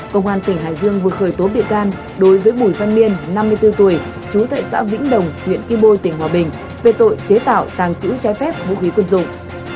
công an tỉnh hải dương vừa khởi tố bị can đối với bùi văn miên năm mươi bốn tuổi chú tại xã vĩnh đồng huyện cư bôi tỉnh hòa bình về tội chế tạo tàng trữ trái phép vũ khí quân dụng